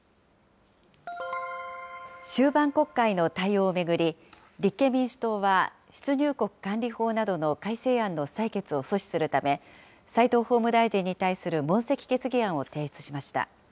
終盤国会の対応を巡り、立憲民主党は、出入国管理法などの改正案の採決を阻止するため、齋藤法務大臣に対する問責決議案を提出しました。